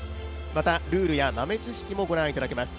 またルールや豆知識もご覧いただけます。